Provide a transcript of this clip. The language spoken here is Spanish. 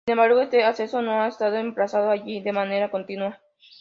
Sin embargo, este acceso no ha estado emplazado allí de manera continua.